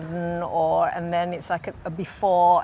dan kemudian seperti sebelumnya dan setelahnya